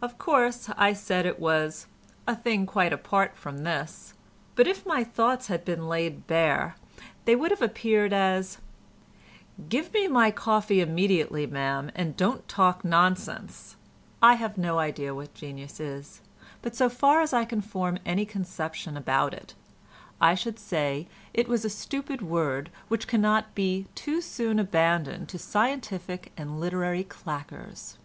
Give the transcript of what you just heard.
Of course I said it was "a thing quite apart from this," but if my thoughts had been laid bare, they would have appeared as "Give me my coffee immediately, ma'am, and don't talk nonsense." I have no idea what genius is, but so far as I can form any conception about it, I should say it was a stupid word which cannot be too soon abandoned to scientific and literary claqueurs.